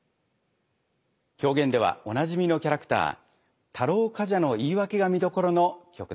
狂言ではおなじみのキャラクター太郎冠者の言い訳が見どころの曲です。